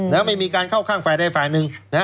แล้วไม่มีการเข้าข้างฝ่ายใดฝ่ายหนึ่งนะฮะ